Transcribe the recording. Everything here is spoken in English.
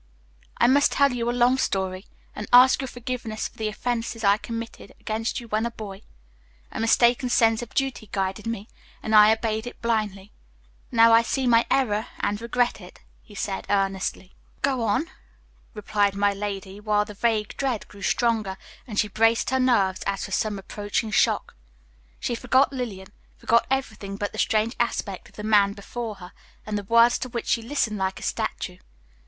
"I must tell you a long story, and ask your forgiveness for the offenses I committed against you when a boy. A mistaken sense of duty guided me, and I obeyed it blindly. Now I see my error and regret it," he said earnestly. "Go on," replied my lady, while the vague dread grew stronger, and she braced her nerves as for some approaching shock. She forgot Lillian, forgot everything but the strange aspect of the man before her, and the words to which she listened like a statue.